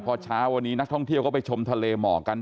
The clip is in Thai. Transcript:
พอเช้าวันนี้นักท่องเที่ยวก็ไปชมทะเลเหมาะกัน